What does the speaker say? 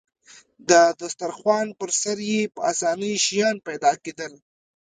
د دسترخوان پر سر يې په اسانۍ شیان پیدا کېدل.